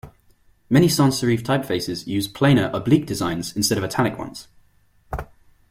Many sans-serif typefaces use plainer oblique designs instead of italic ones.